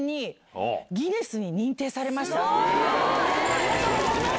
ありがとうございます！